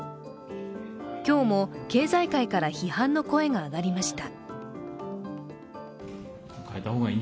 今日も経済界から批判の声が上がりました。